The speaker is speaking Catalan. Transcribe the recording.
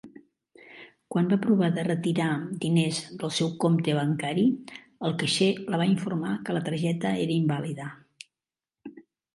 Quan va provar de retirar diners del seu compte bancari, el caixer la va informar que la targeta era invàlida.